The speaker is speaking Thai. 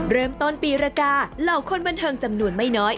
เริ่มต้นปีรกาเหล่าคนบันเทิงจำนวนไม่น้อย